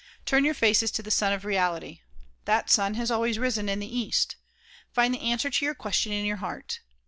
Turn your faces to the Sun of Reality. That Sun has always risen in the east. Find the answer to your questions in your heart.